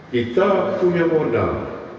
kita punya modal